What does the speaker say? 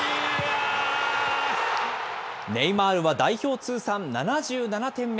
ネイマールは代表通算７７点目。